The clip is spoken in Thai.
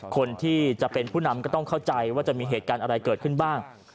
คนที่จะเป็นผู้นำก็ต้องเข้าใจว่าจะมีเหตุการณ์อะไรเกิดขึ้นบ้าง